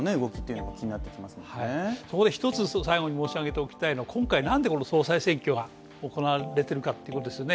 そこで一つ最後に申し上げておきたいのは今回何で総選挙が行われているかということですよね。